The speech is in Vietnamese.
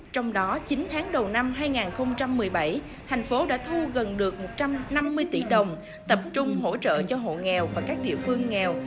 trong đó chín tháng đầu năm hai nghìn một mươi bảy thành phố đã thu gần được một trăm năm mươi tỷ đồng tập trung hỗ trợ cho hộ nghèo và các địa phương nghèo